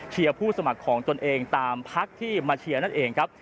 ผู้สมัครของตนเองตามพักที่มาเชียร์นั่นเองครับ